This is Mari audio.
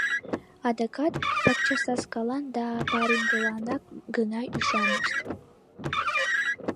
Адакат пакчасаскалан да пареҥгыланак гына ӱшанышт.